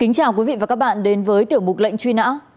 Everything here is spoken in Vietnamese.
kính chào quý vị và các bạn đến với tiểu mục lệnh truy nã